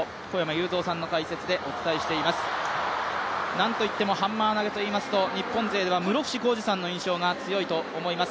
なんといってもハンマー投げといいますと日本勢では室伏広治さんの印象が強いと思います。